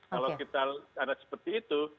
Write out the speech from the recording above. kalau kita ada seperti itu